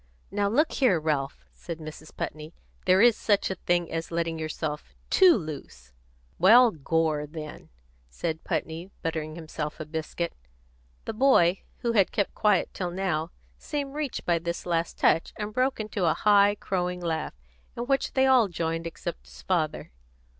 "Now look here, Ralph," said Mrs. Putney, "there's such a thing as letting yourself too loose." "Well, gore, then," said Putney, buttering himself a biscuit. The boy, who had kept quiet till now, seemed reached by this last touch, and broke into a high, crowing laugh, in which they all joined except his father.